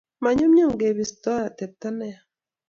monyumnyum kebisto otebto neya